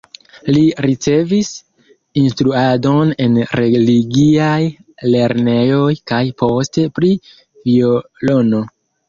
Li ricevis instruadon en religiaj lernejoj kaj poste pri violono.